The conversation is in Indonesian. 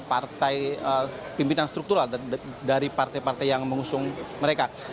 partai pimpinan struktural dari partai partai yang mengusung mereka